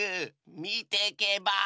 みてけばあ？